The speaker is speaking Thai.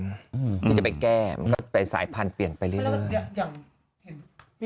ที่จะไปแก้มันก็ไปสายพันธุเปลี่ยนไปเรื่อย